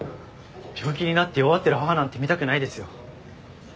病気になって弱ってる母なんて見たくないですよ。